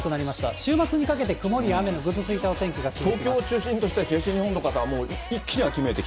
週末にかけて曇りや雨のぐずついたお天気が続きます。